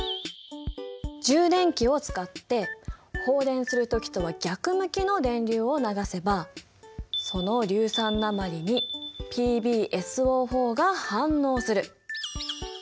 充電器を使って放電する時とは逆向きの電流を流せばその硫酸鉛ＰｂＳＯが反応する。